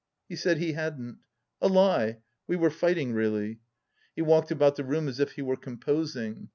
He said he hadn't. A lie ! We were fight ing, really. He walked about the room as if he were com posing.